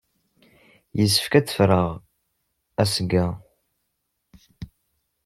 Yessefk ad ffreɣ asga-a.